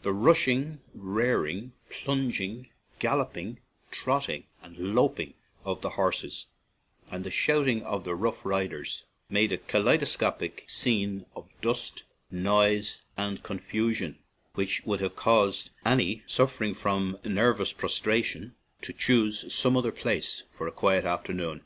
The rushing, rearing, plunging, galloping, trotting, and loping of the horses and the shouting of the rough riders made a kaleidoscopic scene of dust, noise, and confusion which would have caused any one suffering from nervous prostration to choose some other place for a quiet afternoon.